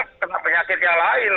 ini keren cerainya